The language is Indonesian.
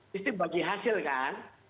pasti bagi hasil kan